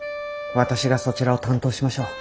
私がそちらを担当しましょう。